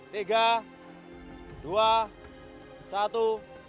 tiga dua satu